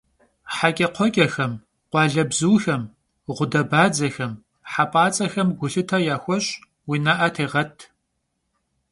Heç'ekxhueç'em, khualebzuxem, ğudebadzexem, hep'ats'exem gulhıte yaxueş', vui ne'e têğet.